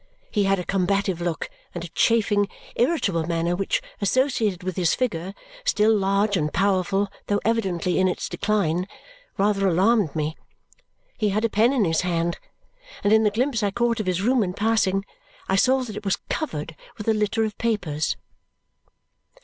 He had a combative look and a chafing, irritable manner which, associated with his figure still large and powerful, though evidently in its decline rather alarmed me. He had a pen in his hand, and in the glimpse I caught of his room in passing, I saw that it was covered with a litter of papers.